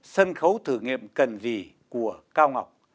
sân khấu thử nghiệm cần gì của cao ngọc